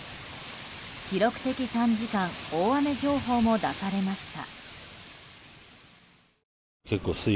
記録的短時間大雨情報も出されました。